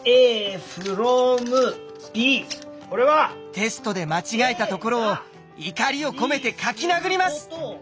テストで間違えたところを怒りを込めて書き殴ります！